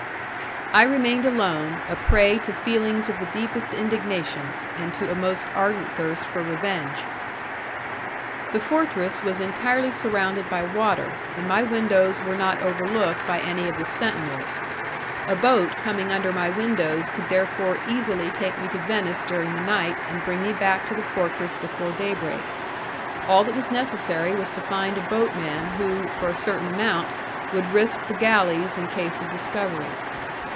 I remained alone, a prey to feelings of the deepest indignation, and to a most ardent thirst for revenge. The fortress was entirely surrounded by water, and my windows were not overlooked by any of the sentinels. A boat coming under my windows could therefore easily take me to Venice during the night and bring me back to the fortress before day break. All that was necessary was to find a boatman who, for a certain amount, would risk the galleys in case of discovery.